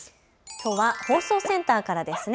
きょうは放送センターからですね。